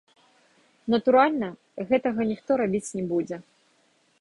Натуральна, гэтага ніхто рабіць не будзе.